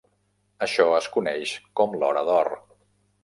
Això es coneix com l'hora d'or.